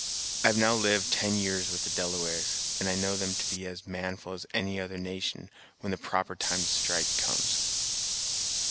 I have now lived ten years with the Delawares, and know them to be as manful as any other nation, when the proper time to strike comes."